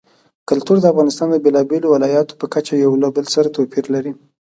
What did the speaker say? کلتور د افغانستان د بېلابېلو ولایاتو په کچه یو له بل سره توپیر لري.